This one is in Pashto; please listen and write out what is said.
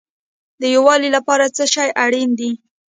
د یووالي لپاره څه شی اړین دی؟